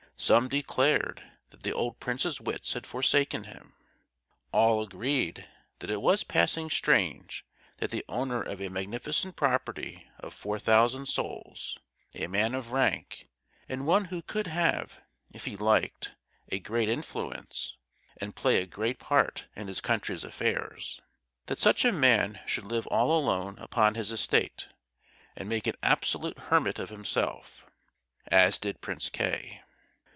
Some declared that the old prince's wits had forsaken him. All agreed that it was passing strange that the owner of a magnificent property of four thousand souls, a man of rank, and one who could have, if he liked, a great influence, and play a great part in his country's affairs; that such a man should live all alone upon his estate, and make an absolute hermit of himself, as did Prince K——.